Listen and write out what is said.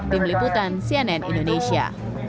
pemeliputan cnn indonesia